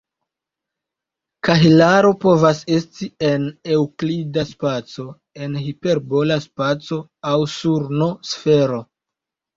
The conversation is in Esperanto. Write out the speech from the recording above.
Kahelaro povas esti en eŭklida spaco, en hiperbola spaco aŭ sur "n"-sfero.